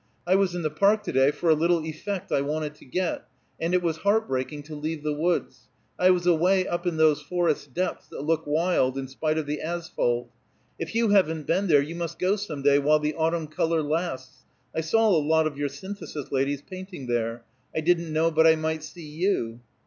"I was in the Park to day for a little effect I wanted to get, and it was heartbreaking to leave the woods. I was away up in those forest depths that look wild in spite of the asphalt. If you haven't been there, you must go some day while the autumn color lasts. I saw a lot of your Synthesis ladies painting there. I didn't know but I might see you."